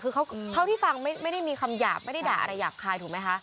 คือเท่าที่ฟังไม่ได้มีคำหยาบไม่ได้ด่าอะไรหยาบคายถูกไหมคะ